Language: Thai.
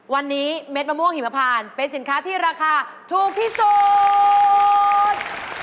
วันนี้เม็ดมะม่วงหิมพานเป็นสินค้าที่ราคาถูกที่สุด